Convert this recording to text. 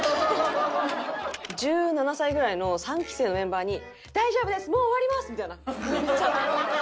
１７歳ぐらいの３期生のメンバーに「大丈夫です！もう終わります！」みたいなめっちゃ言ってくれて。